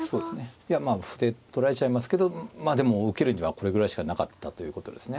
いやまあ歩で取られちゃいますけどまあでも受けるにはこれぐらいしかなかったということですね。